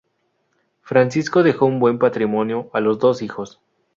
Francisco dejó un buen patrimonio a los dos hijos.